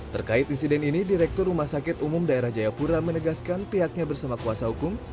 terkait insiden ini direktur rumah sakit umum daerah jayapura menegaskan pihaknya bersama kuasa hukum